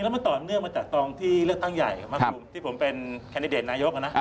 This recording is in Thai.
มันต่อเนื่องมาจากตอนที่เลือกตั้งใหญ่ที่ผมเป็นแคนดิเดตนายกนะ